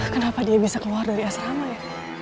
kenapa dia bisa keluar dari asrama ya